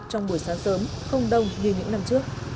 trong buổi sáng sớm không đông như những năm trước